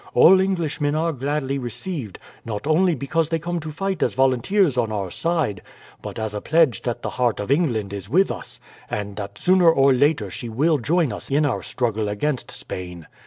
All Englishmen are gladly received; not only because they come to fight as volunteers on our side, but as a pledge that the heart of England is with us, and that sooner or later she will join us in our struggle against Spain.